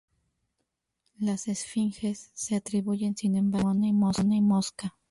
Las esfinges se atribuyen sin embargo a Simone Mosca.